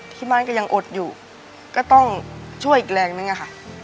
ที่บ้านก็ยังอดอยู่ก็ต้องช่วยอีกแรงนึงอะค่ะ